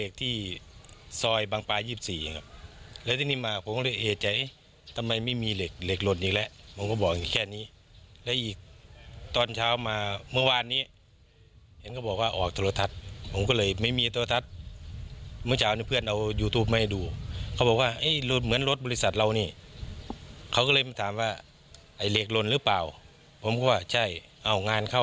ขอรับผิดชอบกับเหตุการณ์ที่เกิดขึ้นค่ะ